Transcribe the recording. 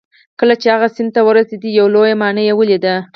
کله چې هغه سیند ته ورسید یوه لویه ماڼۍ یې ولیده.